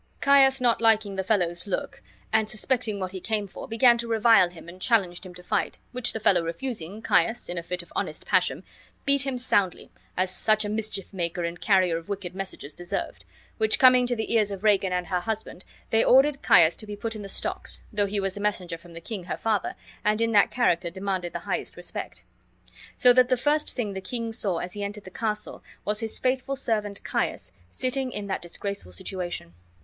Caius not liking the fellow's look, and, suspecting what he came for, began to revile him and challenged him to fight, which the fellow refusing, Caius, in a fit of honest passion, beat him soundly, as such a mischief maker and carrier of wicked messages deserved; which coming to the ears of Regan and her husband, they ordered Caius to be put in the stocks, though he was a messenger from the king her father and in that character demanded the highest respect. So that the first thing the king saw when he entered the castle was his faithful servant Caius sitting in that disgraceful situation.